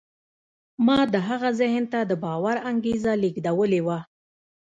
ما د هغه ذهن ته د باور انګېزه لېږدولې وه.